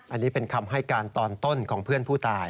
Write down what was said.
อันนี้เป็นคำให้การตอนต้นของเพื่อนผู้ตาย